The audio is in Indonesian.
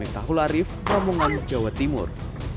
mekahularif romongan jawa timur